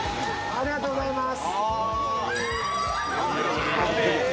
ありがとうございます。